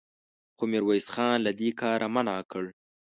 خو ميرويس خان له دې کاره منع کړ.